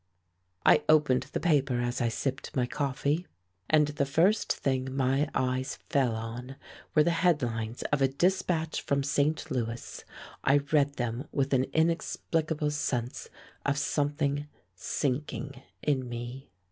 I opened the paper as I sipped my coffee, and the first thing my eyes fell on were the headlines of a dispatch from St. Louis. I read them with an inexplicable sense of something sinking in me.